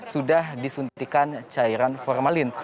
sudah disuntikan cairan formalin